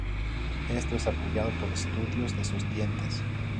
Esto es apoyado por estudios de sus dientes.